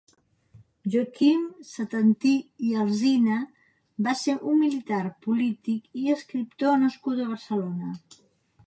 Joaquim Setantí i Alzina va ser un militar, polític i escriptor nascut a Barcelona.